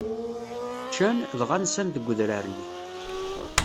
Ččan, dɣa nsan deg udrar-nni.